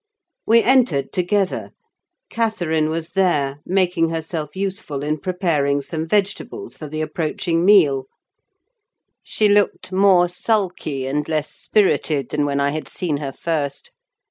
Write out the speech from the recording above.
We entered together; Catherine was there, making herself useful in preparing some vegetables for the approaching meal; she looked more sulky and less spirited than when I had seen her first.